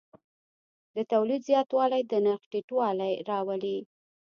د تولید زیاتوالی د نرخ ټیټوالی راولي.